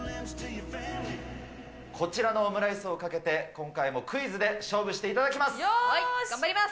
こちらのオムライスをかけて、今回もクイズで勝負していただき頑張ります。